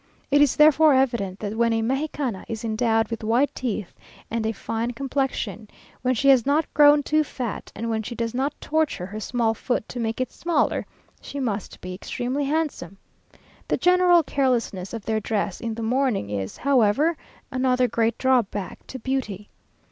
It is therefore evident that when a Mexicana is endowed with white teeth and a fine complexion, when she has not grown too fat, and when she does not torture her small foot to make it smaller, she must be extremely handsome.... The general carelessness of their dress in the morning is, however, another great drawback to beauty.